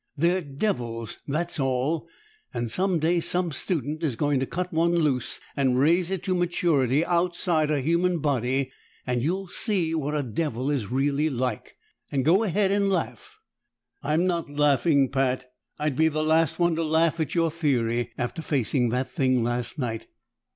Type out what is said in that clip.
They're devils, that's all, and some day some student is going to cut one loose and raise it to maturity outside a human body, and you'll see what a devil is really like! And go ahead and laugh!" "I'm not laughing, Pat. I'd be the last one to laugh at your theory, after facing that thing last night.